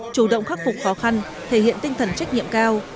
chủ động khắc phục khó khăn thể hiện tinh thần trách nhiệm cao